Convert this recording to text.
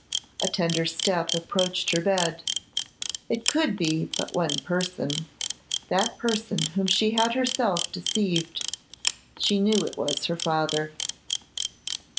A tender step approached her bed. It could be but one person, that person whom she had herself deceived. She knew it was her father.